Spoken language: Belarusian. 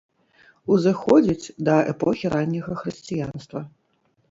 Узыходзіць да эпохі ранняга хрысціянства.